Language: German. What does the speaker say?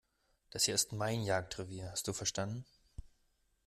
Das hier ist mein Jagdrevier, hast du verstanden?